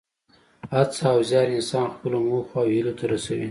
هڅه او زیار انسان خپلو موخو او هیلو ته رسوي.